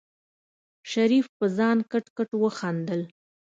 شريف په ځان کټ کټ وخندل.